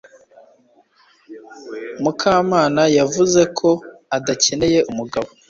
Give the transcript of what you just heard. Mukamana yavuze ko adakeneye umugabo